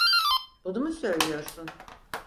Bunu mu söylüyorsun?